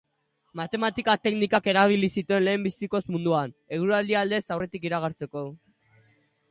Matematika-teknikak erabili zituen lehenbizikoz munduan, eguraldia aldez aurretik iragartzeko.